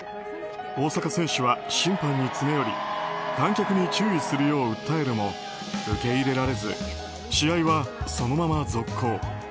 大坂選手は審判に詰め寄り観客に注意するよう訴えるも受け入れられず試合はそのまま続行。